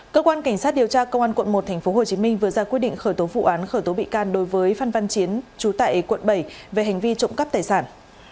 cơ quan cảnh sát điều tra công an quận một tp hcm vừa ra quyết định khởi tố vụ án khởi tố bị can đối với phan văn chiến trú tại quận bảy về hành vi trộm cắp tài sản